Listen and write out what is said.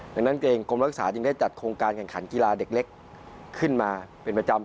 ดังนั้นเกรงกรมรักษาจึงได้จัดโครงการแข่งขันกีฬาเด็กเล็กขึ้นมาเป็นประจำ